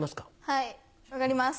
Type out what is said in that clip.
はい分かります！